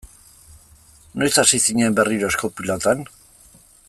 Noiz hasi zinen berriro esku-pilotan?